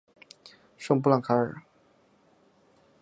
圣布朗卡尔。